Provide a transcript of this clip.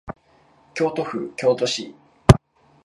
京都府京都市